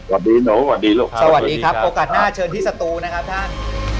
สวัสดีหนูสวัสดีลูกครับสวัสดีครับโอกาสหน้าเชิญที่สตูนะครับท่าน